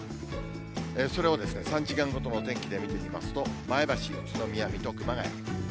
それをですね、３時間ごとの天気で見てみますと、前橋、宇都宮、水戸、熊谷。